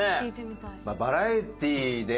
バラエティで。